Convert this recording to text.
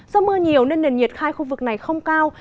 do mưa nhiều nên nền nhiệt hai khu vực này không cao